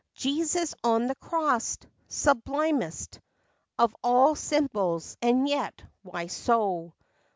Jesus on the cross! sublimest Of all symbols; and yet, why so